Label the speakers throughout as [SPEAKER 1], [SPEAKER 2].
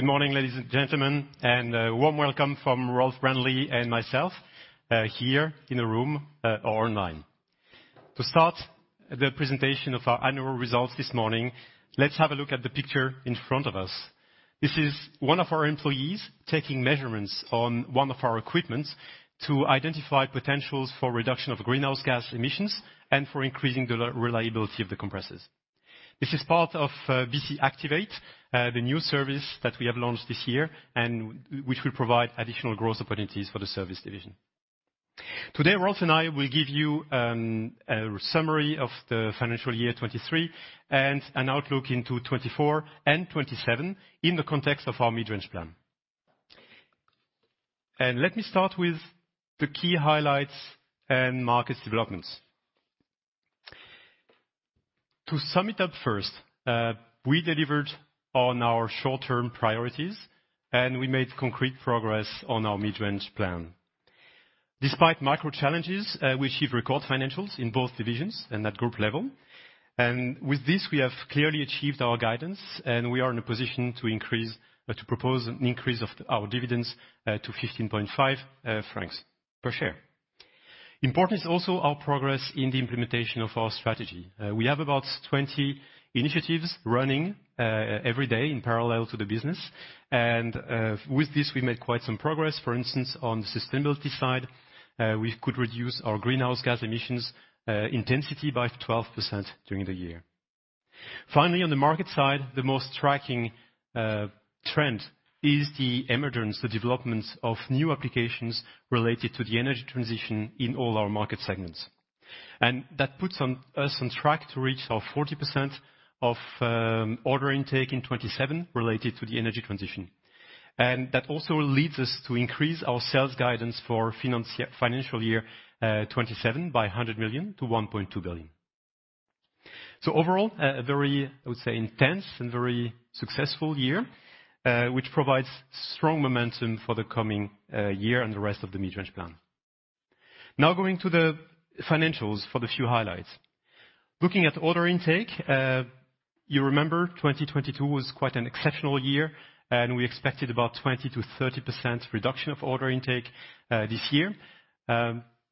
[SPEAKER 1] Good morning, ladies and gentlemen, and a warm welcome from Rolf Brändli and myself here in the room or online. To start the presentation of our annual results this morning, let's have a look at the picture in front of us. This is one of our employees taking measurements on one of our equipments to identify potentials for reduction of greenhouse gas emissions and for increasing the reliability of the compressors. This is part of BC Activate, the new service that we have launched this year, and which will provide additional growth opportunities for the Services Division. Today, Rolf and I will give you a summary of the financial year 2023, and an outlook into 2024 and 2027 in the context of our Mid-Range Plan. Let me start with the key highlights and markets developments. To sum it up first, we delivered on our short-term priorities, and we made concrete progress on our Mid-Range Plan. Despite micro challenges, we achieved record financials in both divisions and at group level. And with this, we have clearly achieved our guidance, and we are in a position to propose an increase of our dividends to 15.5 francs per share. Important is also our progress in the implementation of our strategy. We have about 20 initiatives running every day in parallel to the business, and with this, we made quite some progress. For instance, on the sustainability side, we could reduce our greenhouse gas emissions intensity by 12% during the year. Finally, on the market side, the most striking trend is the emergence, the development of new applications related to the energy transition in all our market segments. And that puts us on track to reach our 40% of order intake in 2027 related to the energy transition. And that also leads us to increase our sales guidance for financial year 2027 by 100 million to 1.2 billion. So overall, a very, I would say, intense and very successful year, which provides strong momentum for the coming year and the rest of the Mid-Range Plan. Now going to the financials for the few highlights. Looking at order intake, you remember 2022 was quite an exceptional year, and we expected about 20%-30% reduction of order intake this year.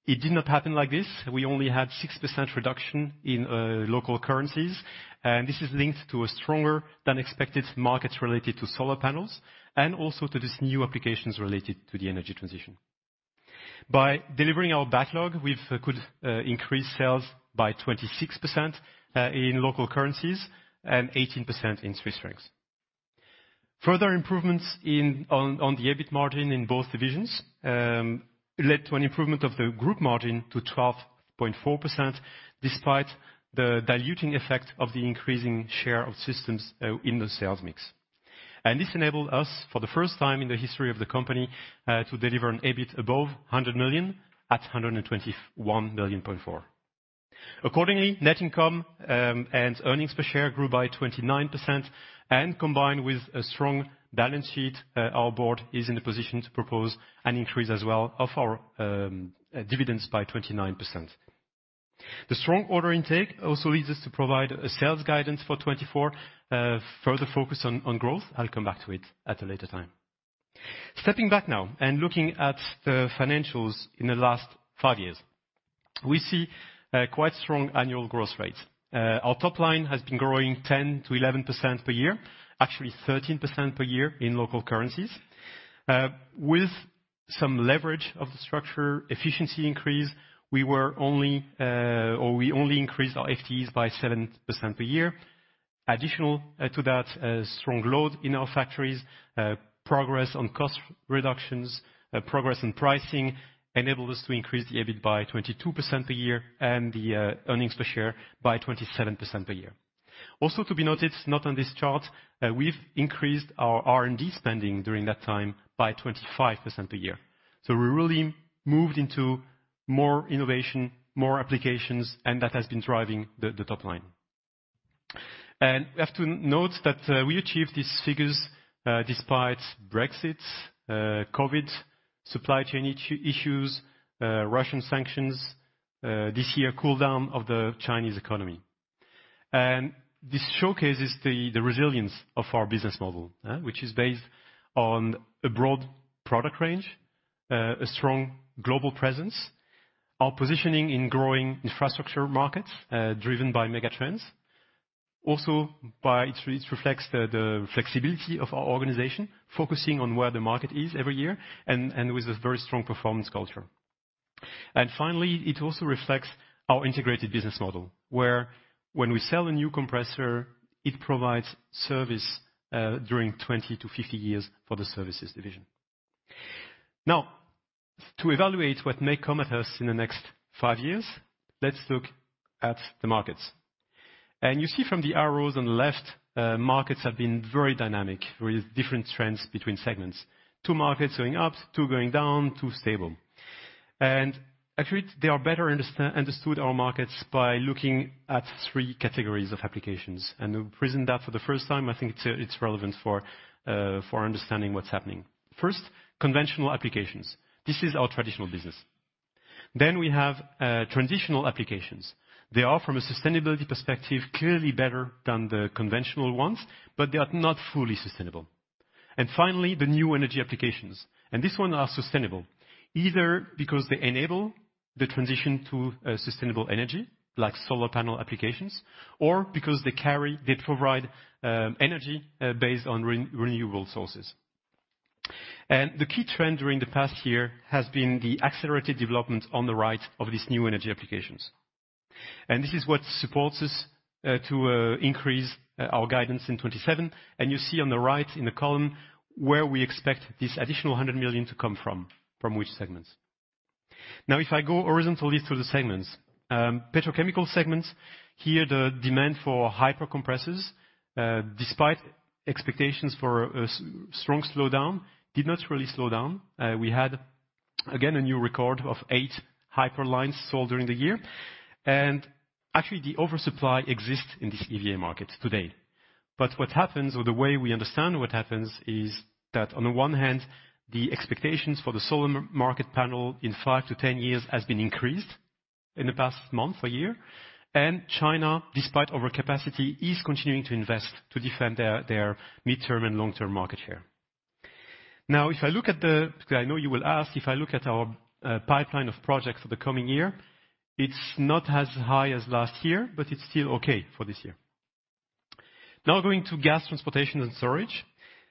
[SPEAKER 1] It did not happen like this. We only had 6% reduction in local currencies, and this is linked to a stronger than expected market related to solar panels, and also to these new applications related to the energy transition. By delivering our backlog, we could increase sales by 26% in local currencies and 18% in Swiss francs. Further improvements in the EBIT margin in both divisions led to an improvement of the group margin to 12.4%, despite the diluting effect of the increasing share of Systems in the sales mix. And this enabled us, for the first time in the history of the company, to deliver an EBIT above 100 million at 121.4 million. Accordingly, net income and earnings per share grew by 29%, and combined with a strong balance sheet, our board is in a position to propose an increase as well of our dividends by 29%. The strong order intake also leads us to provide a sales guidance for 2024, further focus on growth. I'll come back to it at a later time. Stepping back now and looking at the financials in the last five years, we see quite strong annual growth rates. Our top line has been growing 10%-11% per year, actually 13% per year in local currencies. With some leverage of the structure efficiency increase, we were only, or we only increased our FTEs by 7% per year. In addition to that, strong load in our factories, progress on cost reductions, progress on pricing, enabled us to increase the EBIT by 22% per year, and the earnings per share by 27% per year. Also to be noted, not on this chart, we've increased our R&D spending during that time by 25% per year. So we really moved into more innovation, more applications, and that has been driving the top line. And we have to note that, we achieved these figures, despite Brexit, COVID, supply chain issues, Russian sanctions, this year, cool down of the Chinese economy. And this showcases the resilience of our business model, which is based on a broad product range, a strong global presence, our positioning in growing infrastructure markets, driven by mega trends. Also, it reflects the flexibility of our organization, focusing on where the market is every year and with a very strong performance culture. And finally, it also reflects our integrated business model, where when we sell a new compressor, it provides service during 20-50 years for the Services Division. Now, to evaluate what may come at us in the next five years, let's look at the markets. And you see from the arrows on the left, markets have been very dynamic, with different trends between segments. Two markets going up, two going down, two stable. And actually, to better understand our markets by looking at three categories of applications, and we've presented that for the first time. I think it's relevant for understanding what's happening. First, conventional applications. This is our traditional business. Then we have transitional applications. They are, from a sustainability perspective, clearly better than the conventional ones, but they are not fully sustainable. And finally, the new energy applications, and this one are sustainable, either because they enable the transition to sustainable energy, like solar panel applications, or because they provide energy based on renewable sources. And the key trend during the past year has been the accelerated development on the right of these new energy applications. And this is what supports us to increase our guidance in 2027, and you see on the right, in the column, where we expect this additional 100 million to come from which segments. Now, if I go horizontally through the segments, petrochemical segments, here, the demand for hyper compressors, despite expectations for a strong slowdown, did not really slow down. We had, again, a new record of 8 hyper lines sold during the year. And actually, the oversupply exists in this EVA market today. But what happens, or the way we understand what happens, is that on the one hand, the expectations for the solar panel market in five-10 years has been increased in the past month or year, and China, despite overcapacity, is continuing to invest to defend their midterm and long-term market share. Now, if I look at the... Because I know you will ask, if I look at our pipeline of projects for the coming year, it's not as high as last year, but it's still okay for this year. Now, going to gas transportation and storage.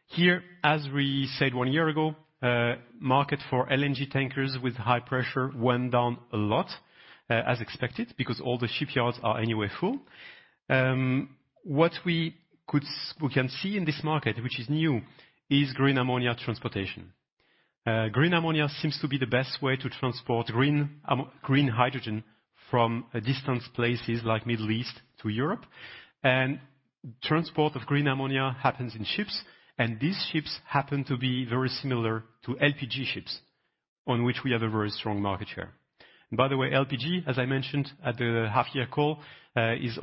[SPEAKER 1] Here, as we said one year ago, market for LNG tankers with high pressure went down a lot, as expected, because all the shipyards are anyway full. What we can see in this market, which is new, is green ammonia transportation. Green ammonia seems to be the best way to transport green hydrogen from distant places like Middle East to Europe. And transport of green ammonia happens in ships, and these ships happen to be very similar to LPG ships, on which we have a very strong market share. By the way, LPG, as I mentioned at the half-year call, is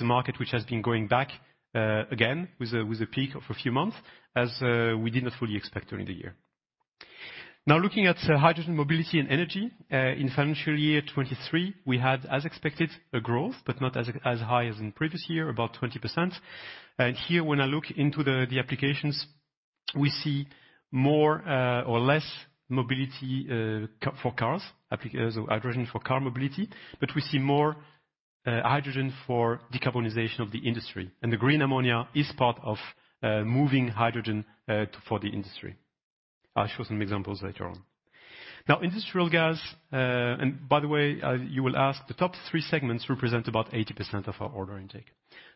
[SPEAKER 1] a market which has been going back, again, with a peak of a few months, as we did not fully expect during the year. Now, looking at Hydrogen Mobility and Energy, in financial year 2023, we had, as expected, a growth, but not as high as in previous year, about 20%. And here, when I look into the applications, we see more or less mobility for cars, hydrogen for car mobility, but we see more hydrogen for decarbonization of the industry. And the green ammonia is part of moving hydrogen to for the industry. I'll show some examples later on. Now, industrial gas, and by the way, you will ask, the top three segments represent about 80% of our order intake.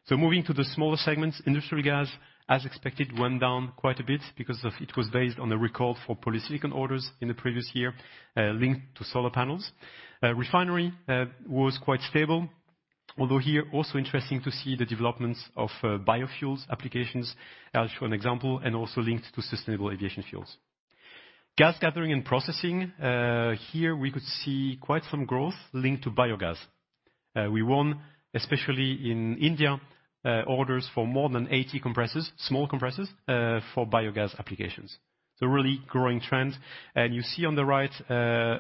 [SPEAKER 1] So moving to the smaller segments, industrial gas, as expected, went down quite a bit because it was based on a record for polysilicon orders in the previous year, linked to solar panels. Refinery was quite stable, although here, also interesting to see the developments of biofuels applications. I'll show an example, and also linked to sustainable aviation fuels. Gas gathering and processing, here we could see quite some growth linked to biogas. We won, especially in India, orders for more than 80 compressors, small compressors, for biogas applications. So really growing trend. And you see on the right,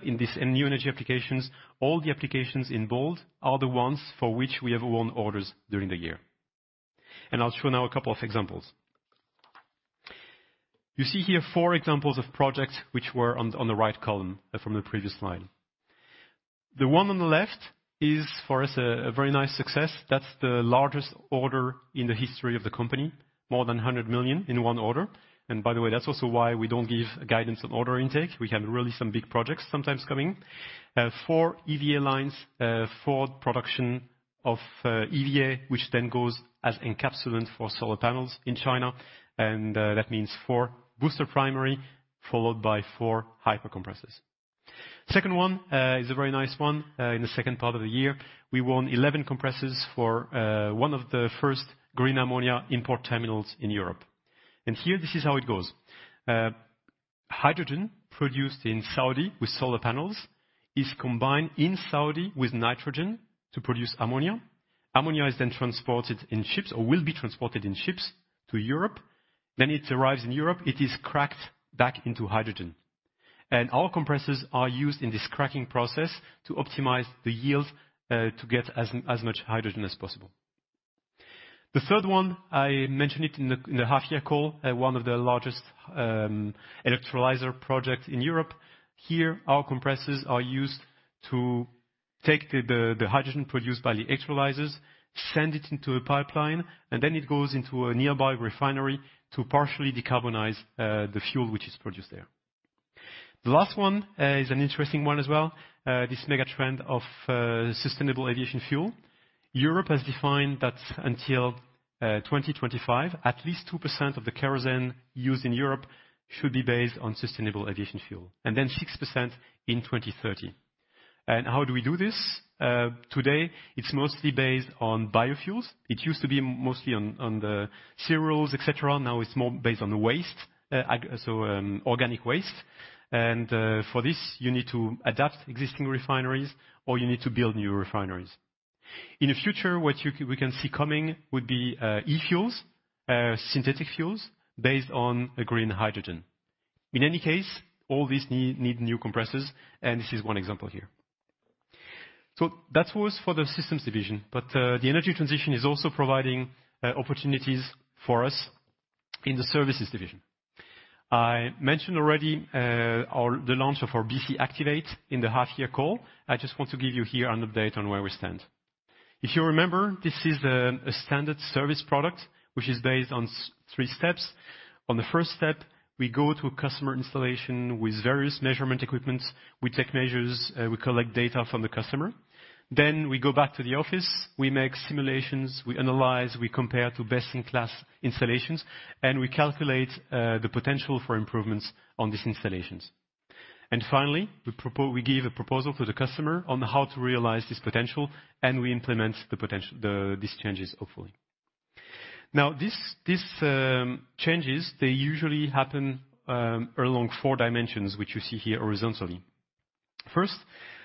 [SPEAKER 1] in this new energy applications, all the applications in bold are the ones for which we have won orders during the year. And I'll show now a couple of examples. You see here four examples of projects which were on the right column from the previous slide. The one on the left is, for us, a very nice success. That's the largest order in the history of the company, more than 100 million in one order. And by the way, that's also why we don't give guidance on order intake. We have really some big projects sometimes coming. Four EVA lines, for production of, EVA, which then goes as encapsulant for solar panels in China, and, that means four booster primary, followed by four hyper compressors. Second one, is a very nice one. In the second part of the year, we won 11 compressors for, one of the first green ammonia import terminals in Europe. And here, this is how it goes. Hydrogen, produced in Saudi with solar panels, is combined in Saudi with nitrogen to produce ammonia. Ammonia is then transported in ships, or will be transported in ships to Europe. When it arrives in Europe, it is cracked back into hydrogen. And our compressors are used in this cracking process to optimize the yield, to get as much hydrogen as possible. The third one, I mentioned it in the half year call, one of the largest electrolyzer project in Europe. Here, our compressors are used to take the hydrogen produced by the electrolyzers, send it into a pipeline, and then it goes into a nearby refinery to partially decarbonize the fuel which is produced there. The last one is an interesting one as well. This mega trend of sustainable aviation fuel. Europe has defined that until 2025, at least 2% of the kerosene used in Europe should be based on sustainable aviation fuel, and then 6% in 2030.... And how do we do this? Today, it's mostly based on biofuels. It used to be mostly on the cereals, et cetera, now it's more based on the waste, organic waste. For this, you need to adapt existing refineries, or you need to build new refineries. In the future, we can see coming would be e-fuels, synthetic fuels, based on a green hydrogen. In any case, all these need new compressors, and this is one example here. That was for the Systems Division, but the energy transition is also providing opportunities for us in the Services Division. I mentioned already our, the launch of our BC Activate in the half year call. I just want to give you here an update on where we stand. If you remember, this is a standard service product, which is based on three steps. On the first step, we go to a customer installation with various measurement equipment. We take measurements, we collect data from the customer. Then we go back to the office, we make simulations, we analyze, we compare to best-in-class installations, and we calculate the potential for improvements on these installations. And finally, we give a proposal to the customer on how to realize this potential, and we implement these changes hopefully. Now, these changes, they usually happen along four dimensions, which you see here horizontally. First,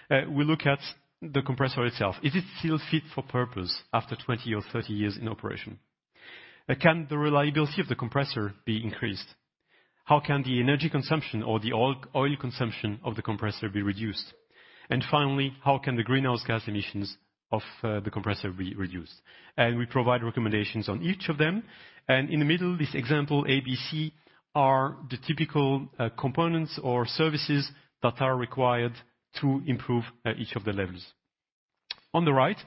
[SPEAKER 1] we look at the compressor itself. Is it still fit for purpose after 20 or 30 years in operation? Can the reliability of the compressor be increased? How can the energy consumption or the oil, oil consumption of the compressor be reduced? And finally, how can the greenhouse gas emissions of the compressor be reduced? And we provide recommendations on each of them. And in the middle, this example, BC, are the typical components or services that are required to improve each of the levels. On the right,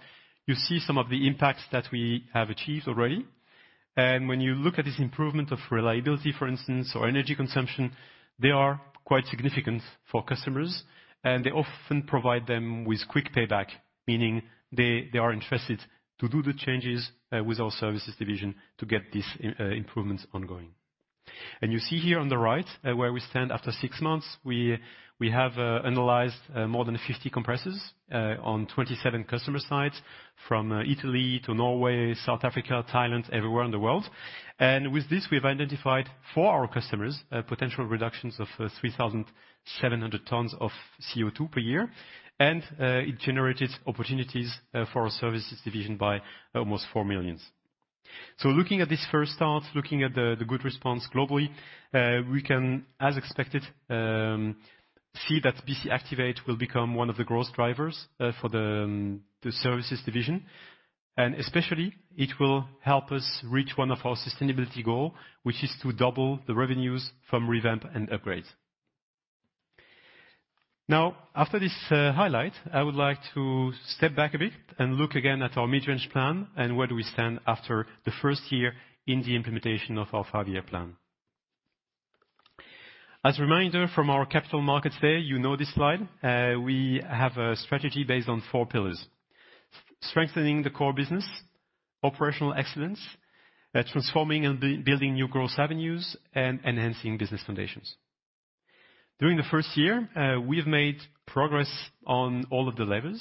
[SPEAKER 1] you see some of the impacts that we have achieved already. And when you look at this improvement of reliability, for instance, or energy consumption, they are quite significant for customers, and they often provide them with quick payback, meaning they, they are interested to do the changes with our Services Division to get these improvements ongoing. You see here on the right, where we stand after six months, we have analyzed more than 50 compressors on 27 customer sites from Italy to Norway, South Africa, Thailand, everywhere in the world. And with this, we've identified for our customers potential reductions of 3,700 tons of CO2 per year, and it generated opportunities for our Services Division by almost 4 million. So looking at this first start, looking at the good response globally, we can, as expected, see that BC Activate will become one of the growth drivers for the Services Division. And especially, it will help us reach one of our sustainability goal, which is to double the revenues from revamp and upgrade. Now, after this highlight, I would like to step back a bit and look again at our Mid-Range Plan and where do we stand after the first year in the implementation of our five-year plan. As a reminder from our Capital Markets Day, you know this slide. We have a strategy based on four pillars: strengthening the core business, operational excellence, transforming and building new growth avenues, and enhancing business foundations. During the first year, we have made progress on all of the levels.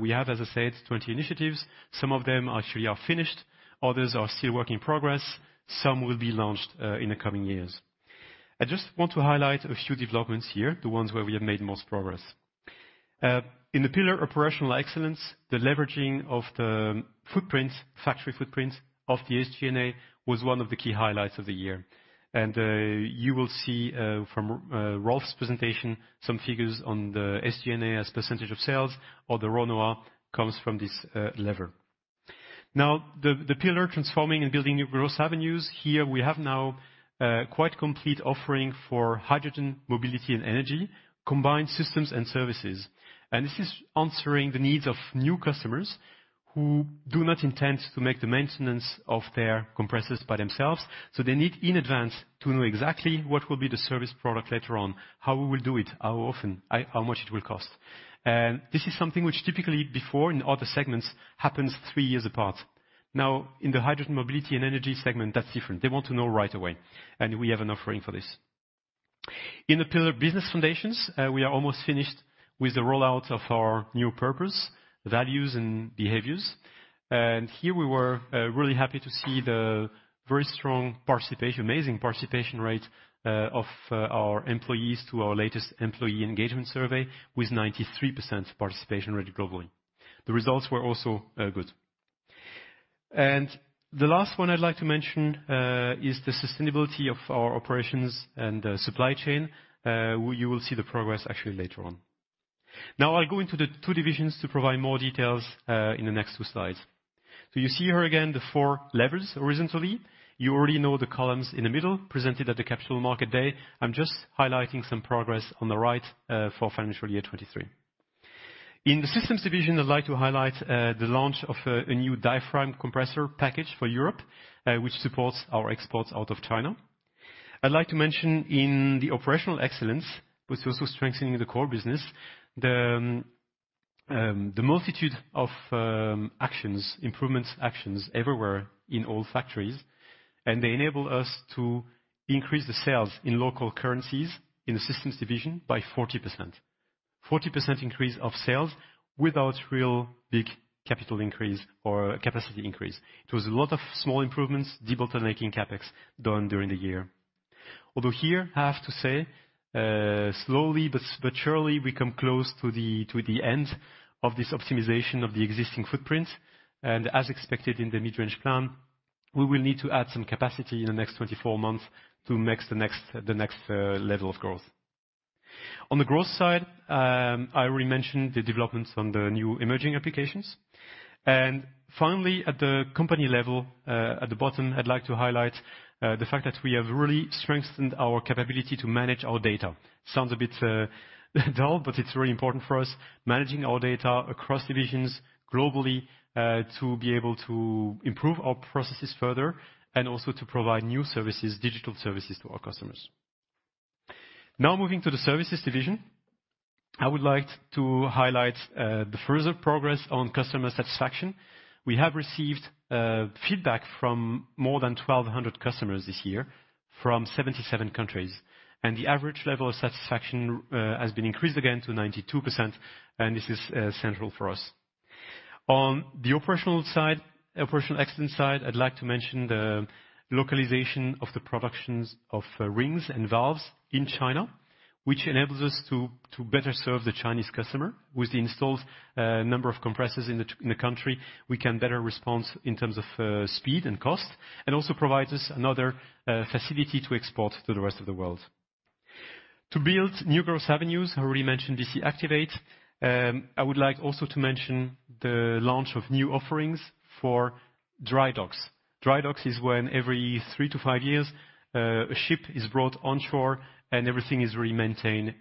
[SPEAKER 1] We have, as I said, 20 initiatives. Some of them actually are finished, others are still work in progress, some will be launched in the coming years. I just want to highlight a few developments here, the ones where we have made most progress. In the pillar operational excellence, the leveraging of the footprint, factory footprint of the SG&A was one of the key highlights of the year. And, you will see, from Rolf's presentation, some figures on the SG&A as percentage of sales, or the raw number, comes from this level. Now, the pillar, transforming and building new growth avenues, here we have now, quite complete offering for hydrogen, mobility, and energy, combined Systems and services. And this is answering the needs of new customers who do not intend to make the maintenance of their compressors by themselves, so they need, in advance, to know exactly what will be the service product later on, how we will do it, how often, how much it will cost. And this is something which typically before, in other segments, happens three years apart. Now, in the Hydrogen Mobility and Energy segment, that's different. They want to know right away, and we have an offering for this. In the pillar business foundations, we are almost finished with the rollout of our new purpose, values, and behaviors. And here we were, really happy to see the very strong participation, amazing participation rate of our employees to our latest employee engagement survey, with 93% participation rate globally. The results were also good. And the last one I'd like to mention is the sustainability of our operations and the supply chain. You will see the progress actually later on. Now, I'll go into the two divisions to provide more details in the next two slides. So you see here again, the four levels horizontally. You already know the columns in the middle, presented at the Capital Markets Day. I'm just highlighting some progress on the right for financial year 2023. In the Systems Division, I'd like to highlight the launch of a new diaphragm compressor package for Europe, which supports our exports out of China. I'd like to mention in the operational excellence, which is also strengthening the core business, the multitude of actions, improvements actions everywhere in all factories, and they enable us to increase the sales in local currencies in the Systems Division by 40%. 40% increase of sales without real big capital increase or capacity increase. It was a lot of small improvements, debottlenecking CapEx done during the year. Although here, I have to say, slowly but surely, we come close to the end of this optimization of the existing footprint, and as expected in the Mid-Range Plan, we will need to add some capacity in the next 24 months to make the next level of growth. On the growth side, I already mentioned the developments on the new emerging applications. And finally, at the company level, at the bottom, I'd like to highlight the fact that we have really strengthened our capability to manage our data. Sounds a bit dull, but it's really important for us, managing our data across divisions globally, to be able to improve our processes further and also to provide new services, digital services to our customers. Now moving to the Services Division, I would like to highlight the further progress on customer satisfaction. We have received feedback from more than 1,200 customers this year from 77 countries, and the average level of satisfaction has been increased again to 92%, and this is central for us. On the operational side, operational excellence side, I'd like to mention the localization of the productions of rings and valves in China, which enables us to better serve the Chinese customer. With the installed number of compressors in the country, we can better respond in terms of speed and cost, and also provides us another facility to export to the rest of the world. To build new growth avenues, I already mentioned BC Activate. I would like also to mention the launch of new offerings for dry docks. Dry docks is when every three to five years, a ship is brought onshore, and everything is really maintained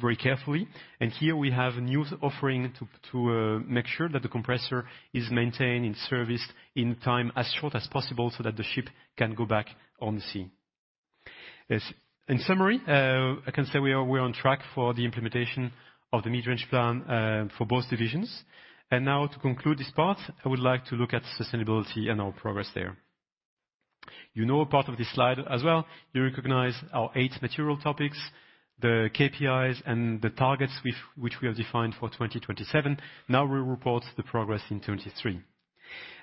[SPEAKER 1] very carefully. And here we have a new offering to make sure that the compressor is maintained and serviced in time as short as possible so that the ship can go back on the sea. Yes, in summary, I can say we are, we're on track for the implementation of the Mid-Range Plan for both divisions. And now, to conclude this part, I would like to look at sustainability and our progress there. You know a part of this slide as well. You recognize our eight material topics, the KPIs and the targets which we have defined for 2027. Now we report the progress in 2023.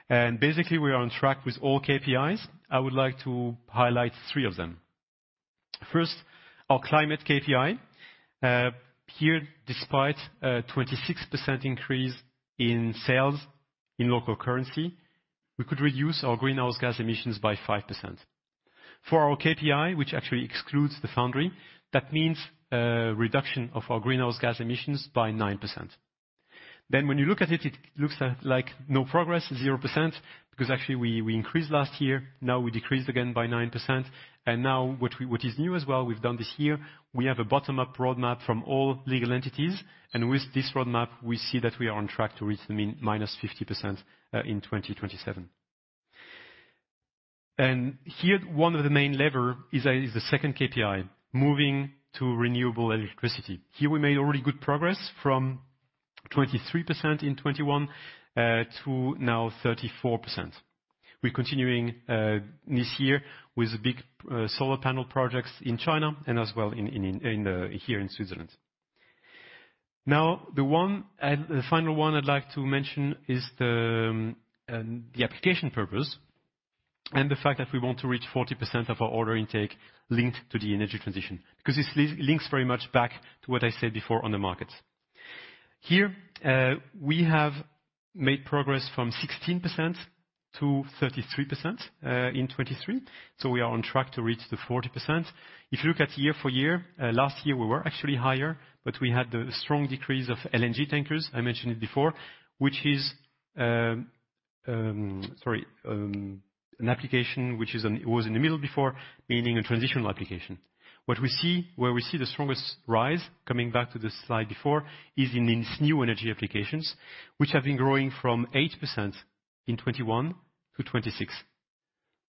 [SPEAKER 1] And basically, we are on track with all KPIs. I would like to highlight three of them. First, our climate KPI. Here, despite a 26% increase in sales in local currency, we could reduce our greenhouse gas emissions by 5%. For our KPI, which actually excludes the foundry, that means a reduction of our greenhouse gas emissions by 9%. Then when you look at it, it looks like no progress, 0%, because actually we, we increased last year, now we decreased again by 9%. And now, what is new as well, we've done this year, we have a bottom-up roadmap from all legal entities, and with this roadmap, we see that we are on track to reach -50%, in 2027. Here, one of the main lever is the second KPI, moving to renewable electricity. Here, we made already good progress from 23% in 2021 to now 34%. We're continuing this year with big solar panel projects in China and as well in here in Switzerland. Now, the one and the final one I'd like to mention is the application purpose and the fact that we want to reach 40% of our order intake linked to the energy transition, because this links very much back to what I said before on the markets. Here, we have made progress from 16%-33% in 2023, so we are on track to reach the 40%. If you look at year-over-year, last year, we were actually higher, but we had the strong decrease of LNG tankers, I mentioned it before, which is, an application which is on, was in the middle before, meaning a transitional application. What we see, where we see the strongest rise, coming back to the slide before, is in these new energy applications, which have been growing from 8% in 2021 to 2026.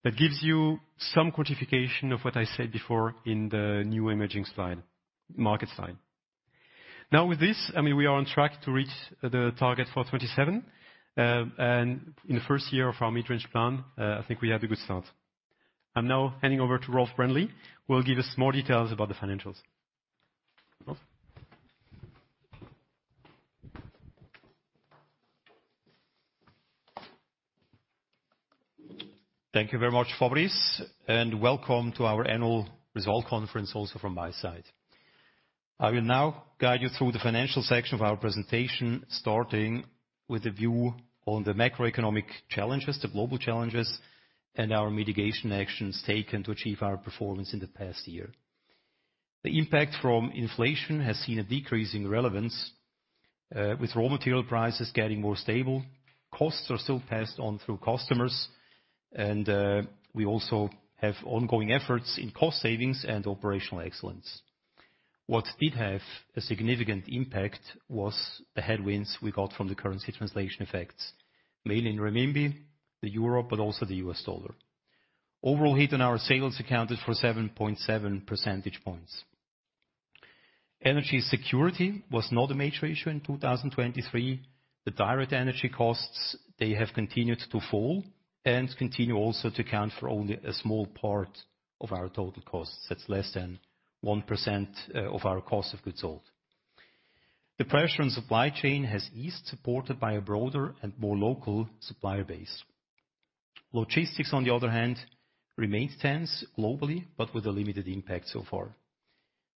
[SPEAKER 1] That gives you some quantification of what I said before in the new emerging slide, market slide. Now, with this, I mean, we are on track to reach the target for 2027, and in the first year of our Mid-Range Plan, I think we have a good start. I'm now handing over to Rolf Brändli, who will give us more details about the financials. Rolf?
[SPEAKER 2] Thank you very much, Fabrice, and welcome to our annual results conference also from my side. I will now guide you through the financial section of our presentation, starting with a view on the macroeconomic challenges, the global challenges, and our mitigation actions taken to achieve our performance in the past year. The impact from inflation has seen a decrease in relevance, with raw material prices getting more stable. Costs are still passed on through customers, and we also have ongoing efforts in cost savings and operational excellence. What did have a significant impact was the headwinds we got from the currency translation effects, mainly in renminbi, the euro, but also the US dollar. Overall hit on our sales accounted for 7.7 percentage points. Energy security was not a major issue in 2023. The direct energy costs, they have continued to fall and continue also to account for only a small part of our total costs. That's less than 1% of our cost of goods sold. The pressure on supply chain has eased, supported by a broader and more local supplier base. Logistics, on the other hand, remains tense globally, but with a limited impact so far.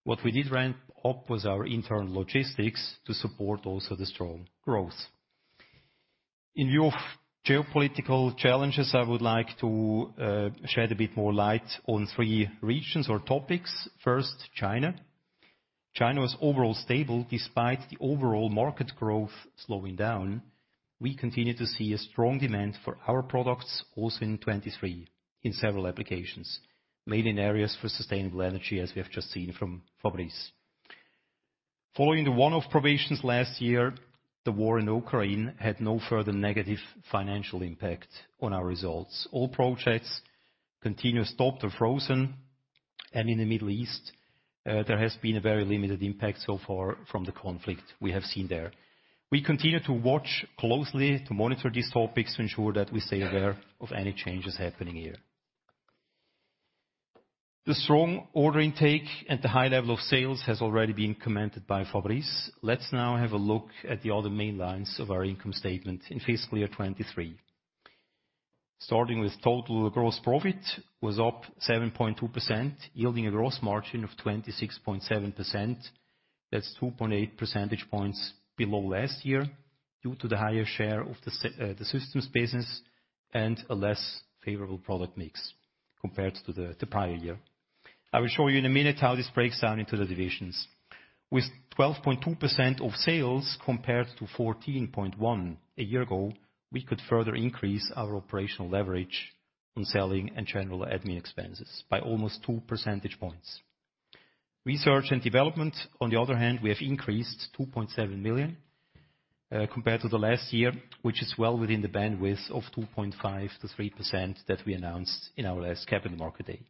[SPEAKER 2] What we did ramp up was our internal logistics to support also the strong growth. In view of geopolitical challenges, I would like to shed a bit more light on three regions or topics. First, China. China was overall stable despite the overall market growth slowing down. We continued to see a strong demand for our products, also in 2023, in several applications, mainly in areas for sustainable energy, as we have just seen from Fabrice. Following the one-off provisions last year, the war in Ukraine had no further negative financial impact on our results. All projects continue, stopped, or frozen, and in the Middle East, there has been a very limited impact so far from the conflict we have seen there. We continue to watch closely to monitor these topics to ensure that we stay aware of any changes happening here. The strong order intake and the high level of sales has already been commented by Fabrice. Let's now have a look at the other main lines of our income statement in fiscal year 2023. Starting with total gross profit, was up 7.2%, yielding a gross margin of 26.7%. That's 2.8 percentage points below last year, due to the higher share of the Systems business and a less favorable product mix compared to the prior year. I will show you in a minute how this breaks down into the divisions. With 12.2% of sales compared to 14.1% a year ago, we could further increase our operational leverage on selling and general admin expenses by almost 2 percentage points. Research and development, on the other hand, we have increased 2.7 million compared to the last year, which is well within the bandwidth of 2.5%-3% that we announced in our last Capital Markets Day.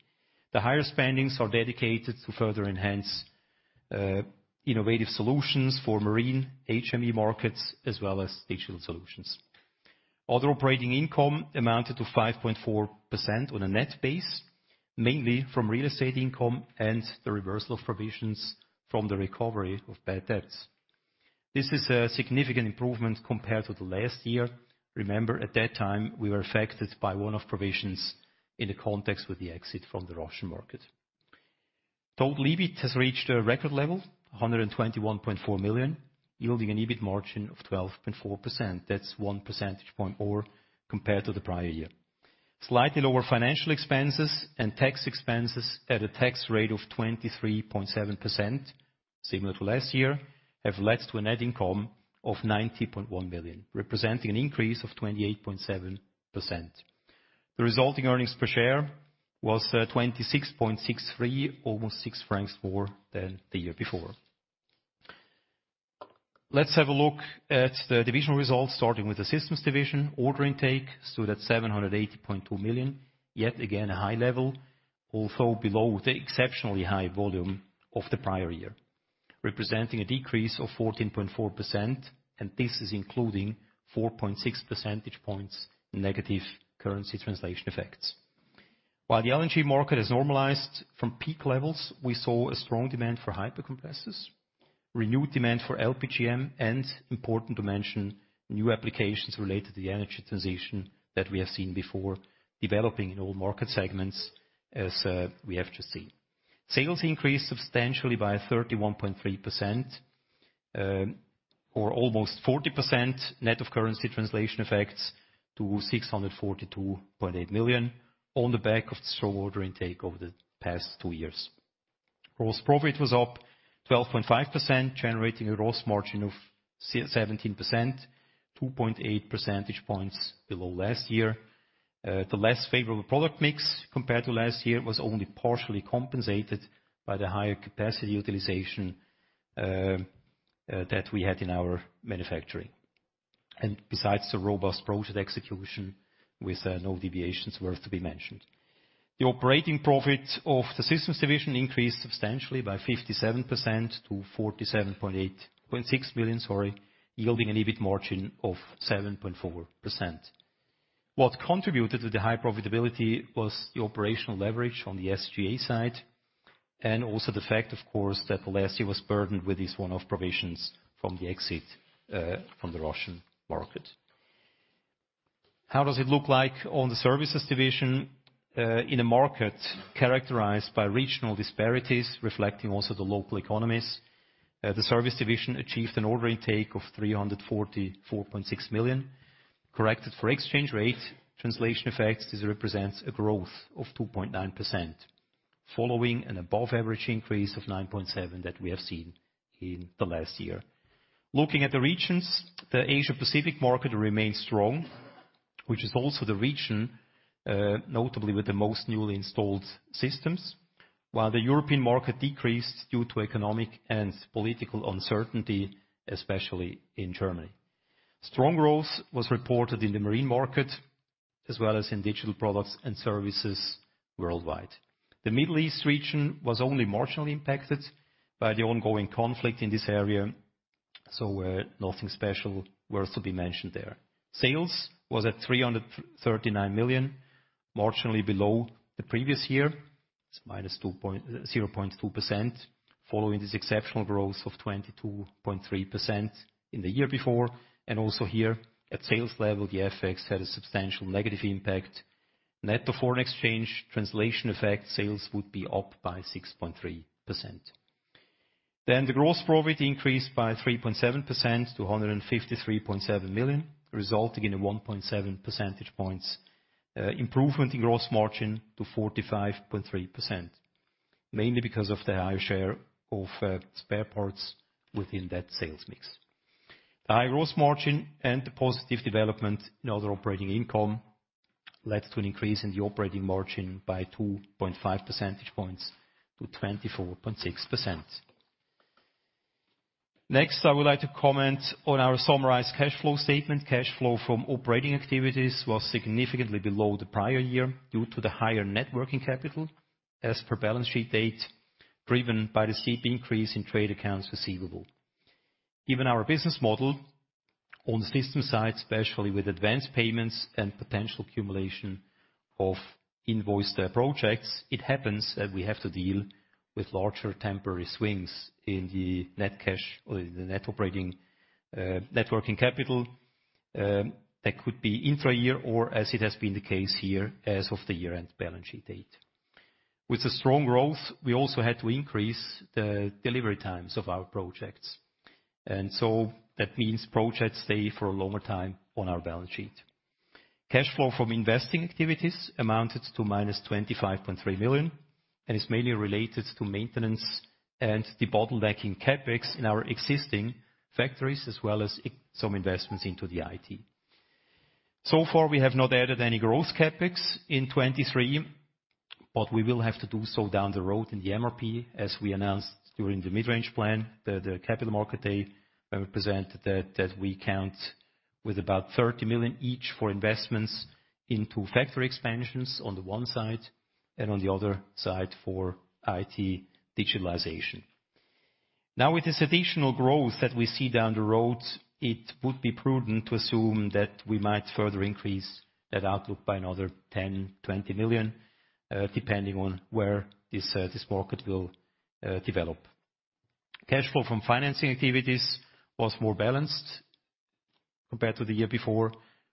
[SPEAKER 2] The higher spending is dedicated to further enhance innovative solutions for Marine, HME markets, as well as digital solutions. Other operating income amounted to 5.4% on a net base, mainly from real estate income and the reversal of provisions from the recovery of bad debts. This is a significant improvement compared to the last year. Remember, at that time, we were affected by one-off provisions in the context with the exit from the Russian market. Total EBIT has reached a record level, 121.4 million, yielding an EBIT margin of 12.4%. That's one percentage point more compared to the prior year. Slightly lower financial expenses and tax expenses at a tax rate of 23.7%, similar to last year, have led to a net income of 90.1 million, representing an increase of 28.7%. The resulting earnings per share was 26.23, almost 6 francs more than the year before. Let's have a look at the divisional results, starting with the Systems Division. Order intake stood at 780.2 million. Yet again, a high level, although below the exceptionally high volume of the prior year, representing a decrease of 14.4%, and this is including 4.6 percentage points negative currency translation effects. While the LNG market has normalized from peak levels, we saw a strong demand for hyper compressors, renewed demand for LPGM, and important to mention, new applications related to the energy transition that we have seen before developing in all market segments, as we have just seen. Sales increased substantially by 31.3%, or almost 40% net of currency translation effects to 642.8 million on the back of the strong order intake over the past two years. Gross profit was up 12.5%, generating a gross margin of 17%, 2.8 percentage points below last year. The less favorable product mix compared to last year was only partially compensated by the higher capacity utilization that we had in our manufacturing. And besides the robust project execution, with no deviations worth to be mentioned. The operating profit of the Systems Division increased substantially by 57% to 47.6 million, sorry, yielding an EBIT margin of 7.4%. What contributed to the high profitability was the operational leverage on the SG&A side, and also the fact, of course, that last year was burdened with these one-off provisions from the exit from the Russian market. How does it look like on the Services Division? In a market characterized by regional disparities, reflecting also the local economies, the service division achieved an order intake of 344.6 million, corrected for exchange rate translation effects. This represents a growth of 2.9%, following an above average increase of 9.7% that we have seen in the last year. Looking at the regions, the Asia Pacific market remains strong, which is also the region notably with the most newly installed Systems, while the European market decreased due to economic and political uncertainty, especially in Germany. Strong growth was reported in the marine market, as well as in digital products and services worldwide. The Middle East region was only marginally impacted by the ongoing conflict in this area, so nothing special worth to be mentioned there. Sales was at 339 million, marginally below the previous year. It's minus 0.2%, following this exceptional growth of 22.3% in the year before, and also here, at sales level, the FX had a substantial negative impact. Net of foreign exchange translation effect, sales would be up by 6.3%. Then the gross profit increased by 3.7% to 153.7 million, resulting in a 1.7 percentage points improvement in gross margin to 45.3%, mainly because of the higher share of spare parts within that sales mix. The high gross margin and the positive development in other operating income led to an increase in the operating margin by 2.5 percentage points to 24.6%. Next, I would like to comment on our summarized cash flow statement. Cash flow from operating activities was significantly below the prior year due to the higher net working capital as per balance sheet date, driven by the steep increase in trade accounts receivable. Even our business model on the Systems side, especially with advanced payments and potential accumulation of invoiced, projects, it happens that we have to deal with larger temporary swings in the net cash or the net operating, net working capital. That could be intra-year or as it has been the case here as of the year-end balance sheet date. With the strong growth, we also had to increase the delivery times of our projects, and so that means projects stay for a longer time on our balance sheet. Cash flow from investing activities amounted to -25.3 million, and is mainly related to maintenance and the bottleneck in CapEx in our existing factories, as well as some investments into the IT. So far, we have not added any growth CapEx in 2023, but we will have to do so down the road in the MRP. As we announced during the Mid-Range Plan, the Capital Markets Day, when we presented that, that we count with about 30 million each for investments into factory expansions on the one side, and on the other side for IT digitalization. Now, with this additional growth that we see down the road, it would be prudent to assume that we might further increase that outlook by another 10 million-20 million, depending on where this market will develop. Cash flow from financing activities was more balanced compared to the year before,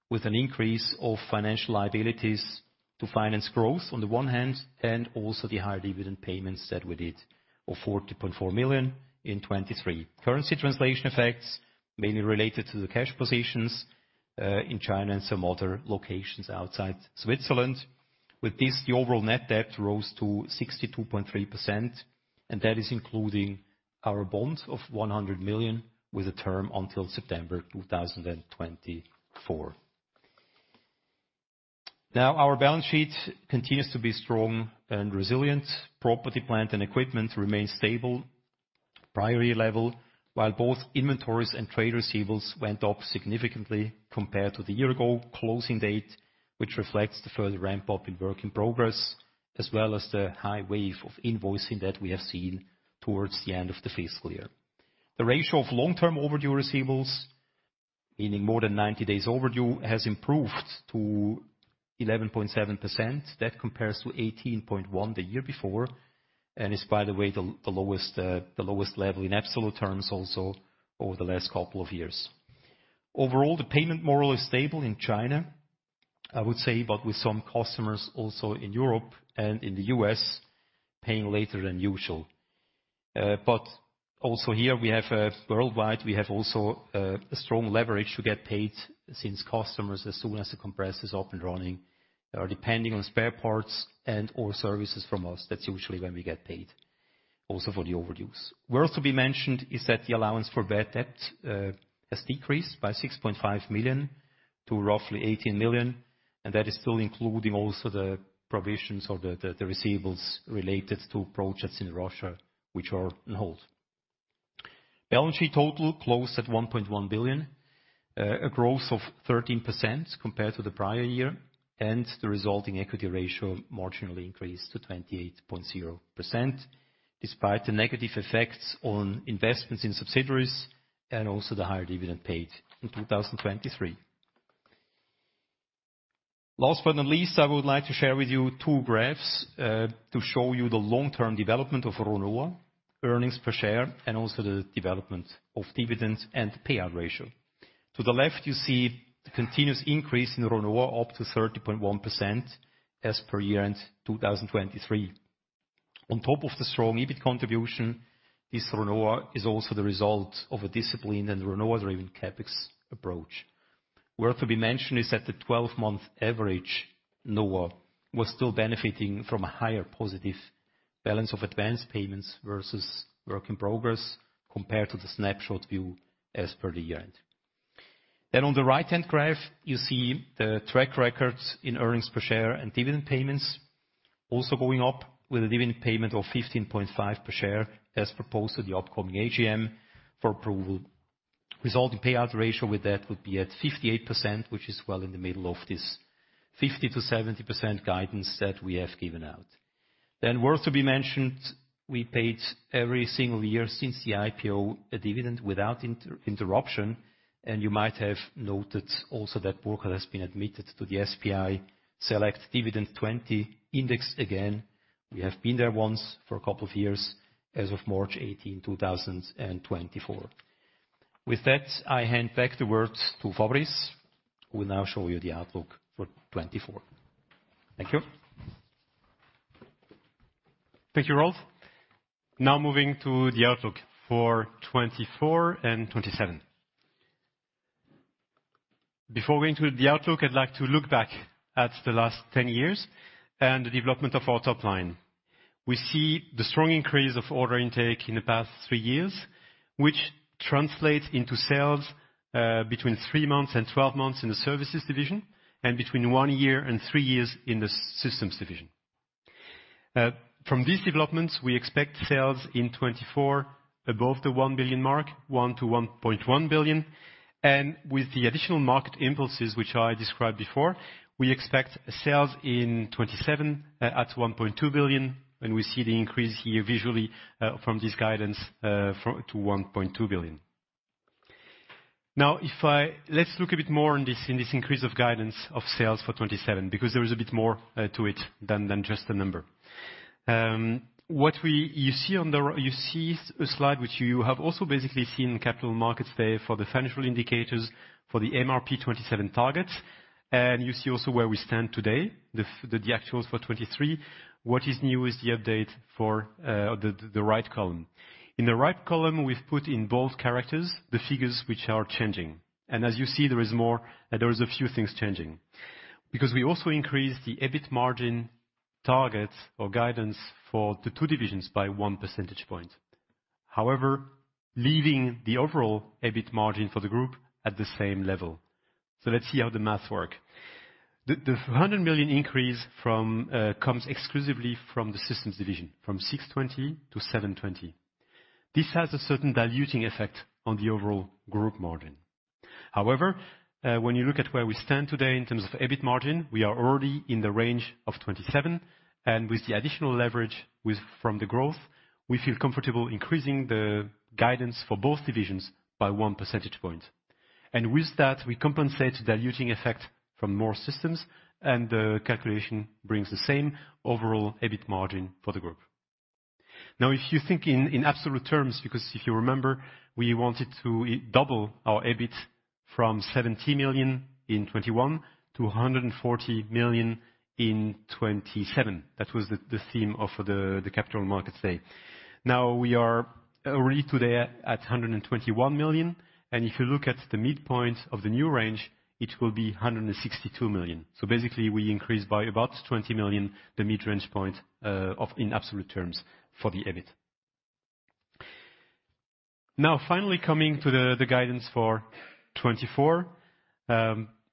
[SPEAKER 2] with an increase of financial liabilities to finance growth on the one hand, and also the high dividend payments that we did of 40.4 million in 2023. Currency translation effects, mainly related to the cash positions, in China and some other locations outside Switzerland. With this, the overall net debt rose to 62.3%, and that is including our bonds of 100 million, with a term until September 2024. Now, our balance sheet continues to be strong and resilient. Property, plant, and equipment remain stable, priority level, while both inventories and trade receivables went up significantly compared to the year-ago closing date, which reflects the further ramp-up in work in progress, as well as the high wave of invoicing that we have seen towards the end of the fiscal year. The ratio of long-term overdue receivables, meaning more than 90 days overdue, has improved to 11.7%. That compares to 18.1 the year before, and is, by the way, the, the lowest, the lowest level in absolute terms also over the last couple of years. Overall, the payment morale is stable in China, I would say, but with some customers also in Europe and in the US, paying later than usual. But also here, we have a worldwide, we have also a strong leverage to get paid since customers, as soon as the compressor is up and running, are depending on spare parts and/or services from us. That's usually when we get paid, also for the overdues. Worth to be mentioned is that the allowance for bad debt has decreased by 6.5 million to roughly 18 million, and that is still including also the provisions or the receivables related to projects in Russia, which are on hold. Balance sheet total closed at 1.1 billion, a growth of 13% compared to the prior year, and the resulting equity ratio marginally increased to 28.0%, despite the negative effects on investments in subsidiaries and also the higher dividend paid in 2023. Last but not least, I would like to share with you two graphs to show you the long-term development of RONOA, earnings per share, and also the development of dividends and payout ratio. To the left, you see the continuous increase in RONOA, up to 30.1% as per year-end 2023. On top of the strong EBIT contribution, this RONOA is also the result of a disciplined and RONOA-driven CapEx approach. Worth to be mentioned is that the 12-month average RONOA was still benefiting from a higher positive balance of advanced payments versus work in progress compared to the snapshot view as per the year-end. Then on the right-hand graph, you see the track records in earnings per share and dividend payments... Also going up with a dividend payment of 15.5 per share, as proposed to the upcoming AGM for approval. Resulting payout ratio with that would be at 58%, which is well in the middle of this 50%-70% guidance that we have given out. Then worth to be mentioned, we paid every single year since the IPO, a dividend without interruption, and you might have noted also that Burckhardt has been admitted to the SPI Select Dividend 20 Index again. We have been there once for a couple of years as of March 18, 2024. With that, I hand back the words to Fabrice, who will now show you the outlook for 2024. Thank you.
[SPEAKER 1] Thank you, Rolf. Now moving to the outlook for 2024 and 2027. Before we enter the outlook, I'd like to look back at the last 10 years and the development of our top line. We see the strong increase of order intake in the past three years, which translates into sales, between three months and 12 months in the Services Division, and between one year and three years in the Systems Division. From these developments, we expect sales in 2024 above the 1 billion mark, 1 billion-1.1 billion, and with the additional market impulses, which I described before, we expect sales in 2027, at 1.2 billion, and we see the increase here visually, from this guidance, to 1.2 billion. Now, let's look a bit more on this, in this increase of guidance of sales for 2027, because there is a bit more to it than just the number. What you see on the slide, which you have also basically seen Capital Markets Day for the financial indicators for the MRP 2027 target. And you see also where we stand today, the actuals for 2023. What is new is the update for the right column. In the right column, we've put in bold characters the figures which are changing, and as you see, there is more, there is a few things changing. Because we also increased the EBIT margin target or guidance for the two divisions by one percentage point. However, leaving the overall EBIT margin for the group at the same level. So let's see how the math work. The 100 million increase comes exclusively from the Systems Division, from 620 million-720 million. This has a certain diluting effect on the overall group margin. However, when you look at where we stand today in terms of EBIT margin, we are already in the range of 27%, and with the additional leverage from the growth, we feel comfortable increasing the guidance for both divisions by one percentage point. And with that, we compensate diluting effect from more Systems, and the calculation brings the same overall EBIT margin for the group. Now, if you think in absolute terms, because if you remember, we wanted to double our EBIT from 70 million in 2021 to 140 million in 2027. That was the theme of the Capital Markets Day. Now, we are already today at 121 million, and if you look at the midpoint of the new range, it will be 162 million. So basically, we increased by about 20 million, the mid-range point, of in absolute terms for the EBIT. Now, finally coming to the guidance for 2024,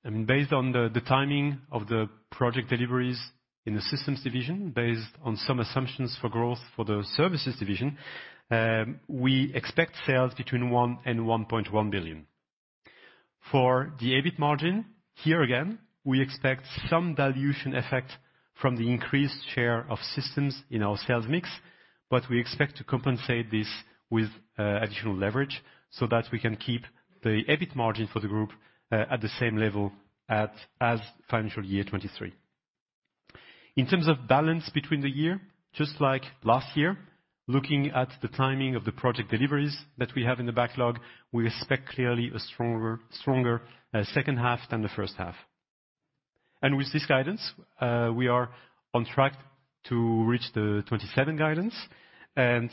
[SPEAKER 1] and based on the timing of the project deliveries in the Systems Division, based on some assumptions for growth for the Services Division, we expect sales between 1 billion and 1.1 billion. For the EBIT margin, here again, we expect some dilution effect from the increased share of Systems in our sales mix, but we expect to compensate this with additional leverage so that we can keep the EBIT margin for the group at the same level at, as financial year 2023. In terms of balance between the year, just like last year, looking at the timing of the project deliveries that we have in the backlog, we expect clearly a stronger, stronger, second half than the first half. With this guidance, we are on track to reach the 2027 guidance and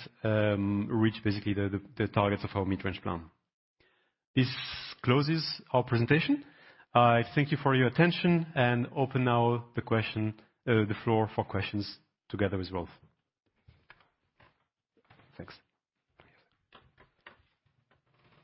[SPEAKER 1] reach basically the targets of our Mid-Range Plan. This closes our presentation. Thank you for your attention and open now the question, the floor for questions together with Rolf. Thanks.